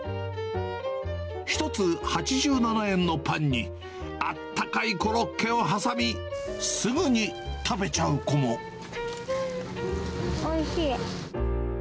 １つ８７円のパンに、あったかいコロッケを挟み、おいしい。